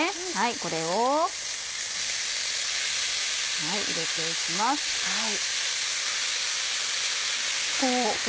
これを入れて行きます。